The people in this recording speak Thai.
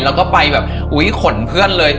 แล้วก็ไปแบบอุ๊ยขนเพื่อนเลย